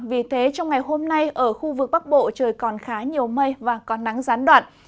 vì thế trong ngày hôm nay ở khu vực bắc bộ trời còn khá nhiều mây và có nắng gián đoạn